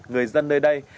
người dân nơi đây